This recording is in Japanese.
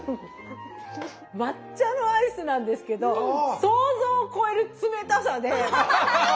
抹茶のアイスなんですけど想像を超える冷たさで。